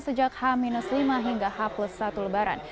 sejak h lima hingga h satu lebaran